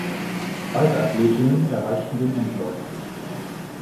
Beide Athletinnen erreichten den Endlauf.